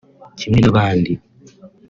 kimwe n’abandi